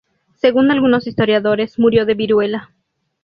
Según algunos historiadores, murió de viruela.